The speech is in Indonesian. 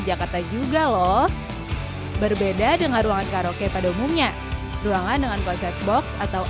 jakarta juga loh berbeda dengan ruangan karaoke pada umumnya ruangan dengan konsep box atau